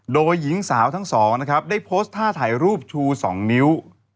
โดยหญิงสาวทั้งสองนะครับได้โพสต์ท่าถ่ายรูปชู๒นิ้ว